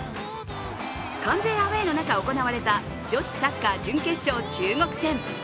完全アウェーの中、行われた女子サッカー準決勝、中国戦。